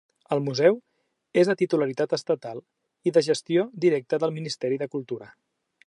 El museu és de titularitat estatal i de gestió directa del Ministeri de Cultura.